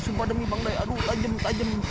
sumpah demi bangdai aduh tajam tajam